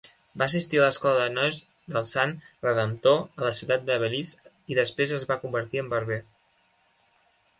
Va assistir a l'escola de nois del Sant Redemptor a la ciutat de Belize i després es va convertir en barber.